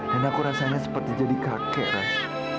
dan aku rasanya seperti jadi kakek ras